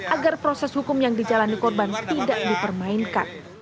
agar proses hukum yang dijalani korban tidak dipermainkan